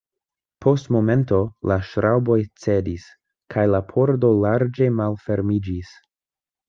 Post momento la ŝraŭboj cedis, kaj la pordo larĝe malfermiĝis.